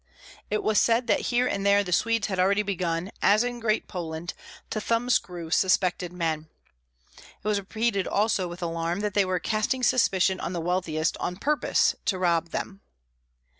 It was said that here and there the Swedes had already begun, as in Great Poland, to thumb screw suspected men. It was repeated also, with alarm, that they were casting suspicion on the wealthiest on purpose to rob them.